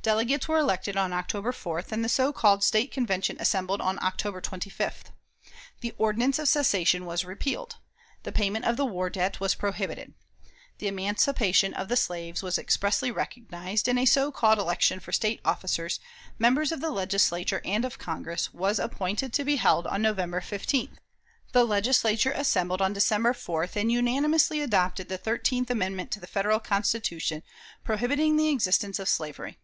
Delegates were elected on October 4th, and the so called State Convention assembled on October 25th. The ordinance of secession was repealed. The payment of the war debt was prohibited. The emancipation of the slaves was expressly recognized, and a so called election for State officers, members of the Legislature and of Congress, was appointed to be held on November 15th. The Legislature assembled on December 4th, and unanimously adopted the thirteenth amendment to the Federal Constitution, prohibiting the existence of slavery.